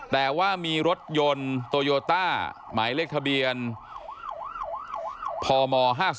แต่ว่ามีรถยนต์โตโยต้าหมายเลขทะเบียนพม๕๓